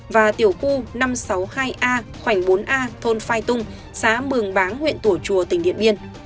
và tiểu khu năm trăm sáu mươi hai a khoảnh bốn a thôn phai tung xã mường báng huyện thủa chùa tỉnh điện biên